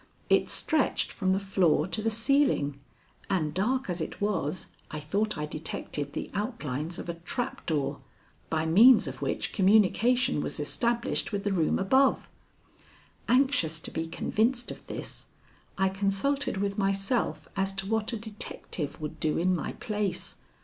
It stretched from the floor to the ceiling, and dark as it was I thought I detected the outlines of a trap door by means of which communication was established with the room above. Anxious to be convinced of this, I consulted with myself as to what a detective would do in my place.